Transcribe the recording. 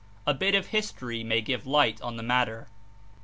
A bit of history may give light on the matter.